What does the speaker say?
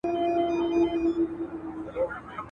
چا په ورا کي نه پرېښاوه، ده ول د مخ اوښ زما دئ.